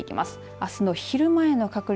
あすの昼前の確率。